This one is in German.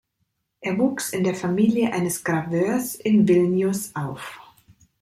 Er wuchs in der Familie eines Graveurs in Vilnius auf.